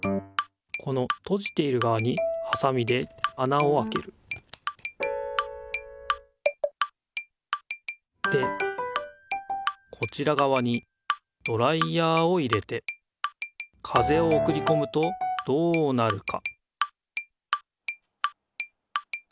このとじているがわにはさみであなをあけるでこちらがわにドライヤーを入れて風をおくりこむとどうなるか？